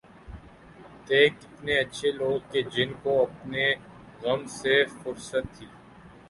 تھے کتنے اچھے لوگ کہ جن کو اپنے غم سے فرصت تھی